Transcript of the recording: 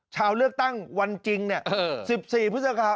ชาวเลือกตั้งวันจริงเนี่ย